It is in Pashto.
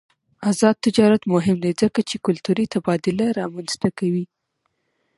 آزاد تجارت مهم دی ځکه چې کلتوري تبادله رامنځته کوي.